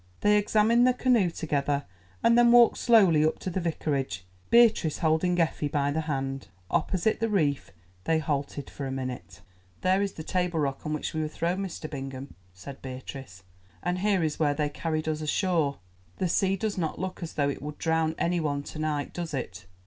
They examined the canoe together, and then walked slowly up to the Vicarage, Beatrice holding Effie by the hand. Opposite the reef they halted for a minute. "There is the Table Rock on which we were thrown, Mr. Bingham," said Beatrice, "and here is where they carried us ashore. The sea does not look as though it would drown any one to night, does it?